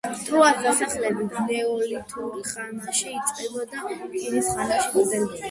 ტროას დასახლება ნეოლითურ ხანაში იწყება და რკინის ხანაში გრძელდება.